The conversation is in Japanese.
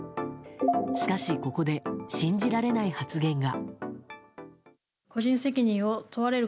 しかし、ここで信じられない発言が。